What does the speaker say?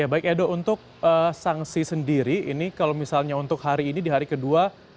ya baik edo untuk sanksi sendiri ini kalau misalnya untuk hari ini di hari kedua